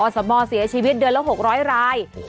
สมเสียชีวิตเดือนละ๖๐๐ราย